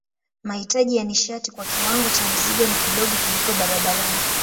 Mahitaji ya nishati kwa kiwango cha mzigo ni kidogo kuliko barabarani.